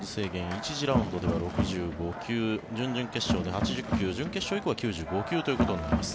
１次ラウンドでは６５球準々決勝で８０球準決勝以降は９５球となります。